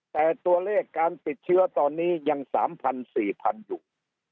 แต่ตัวเลขการติดเชื้อตอนนี้ยัง๓๐๐๔๐๐๐อยู่